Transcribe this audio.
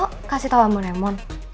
lo kasih tau om raymond